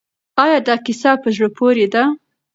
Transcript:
آیا دا کیسه په زړه پورې ده؟